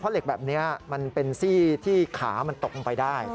เหล็กแบบนี้มันเป็นซี่ที่ขามันตกลงไปได้